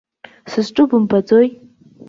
Сызҿу бымбаӡои?!